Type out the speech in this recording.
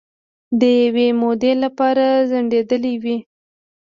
د یوې مودې لپاره ځنډیدېلې وې